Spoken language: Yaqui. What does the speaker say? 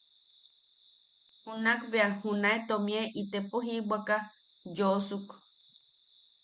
Junakbea junae tomie itepo jibwaka yoʼosuk.